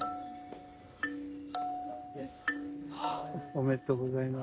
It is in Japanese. おめでとうございます。